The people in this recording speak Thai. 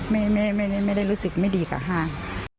ไม่ได้รู้สึกไม่ดีกับห้าง